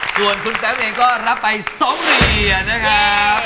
ส่วนคุณแป๊บเองก็รับไป๒เหรียญนะครับ